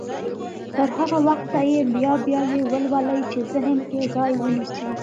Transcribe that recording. تر هغه وخته يې بيا بيا يې ولولئ چې ذهن کې ځای ونيسي.